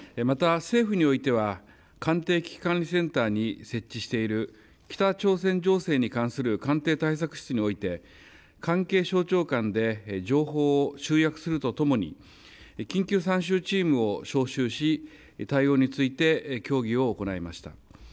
また、政府においては官邸危機管理センターに設置している、北朝鮮情勢に関する官邸対策室において、関係省庁間で情報を集約するとともに、緊急参集チームを招集し、対応について協議を行いました。